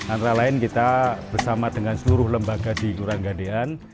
antara lain kita bersama dengan seluruh lembaga di kelurahan gandean